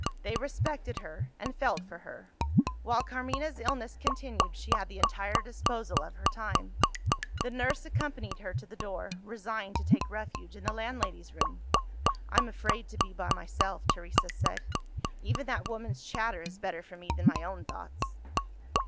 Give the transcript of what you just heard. They respected her, and felt for her: while Carmina's illness continued, she had the entire disposal of her time. The nurse accompanied her to the door; resigned to take refuge in the landlady's room. "I'm afraid to be by myself," Teresa said. "Even that woman's chatter is better for me than my own thoughts."